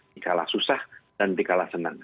dia kalah susah dan di kalah senang